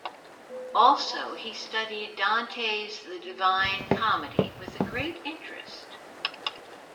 Also he studied Dante's "The Divine Comedy" with a great interest.